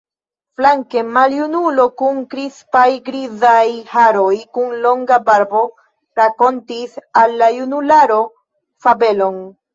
Flanke maljunulo kun krispaj grizaj haroj, kun longa barbo rakontis al la junularo fabelon.